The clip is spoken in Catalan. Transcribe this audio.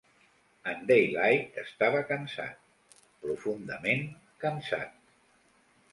En Daylight estava cansat, profundament cansat.